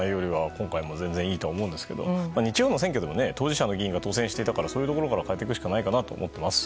今回も全然いいと思いますが日曜の選挙でも当事者の議員が当選していたからそういうところから変えていくしかないかなと思ってます。